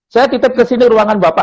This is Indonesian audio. saya titip kesini ruangan bapak